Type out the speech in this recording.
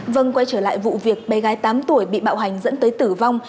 vâng quay trở lại vụ việc bé gái tám tuổi bị bạo hành dẫn tới tử vong